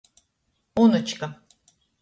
Unučka.